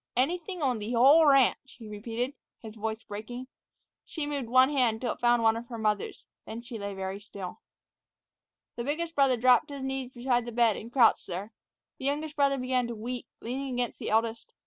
"Anything on th' whole ranch," he repeated, his voice breaking. She moved one hand till it found one of her mother's, then she lay very still. The biggest brother dropped to his knees beside the bed and crouched there. The youngest brother began to weep, leaning against the eldest.